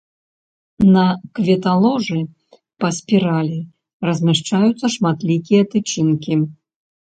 На кветаложы па спіралі размяшчаюцца шматлікія тычынкі.